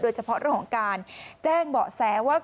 โดยเฉพาะระหว่างการแจ้งเบาะแสว่า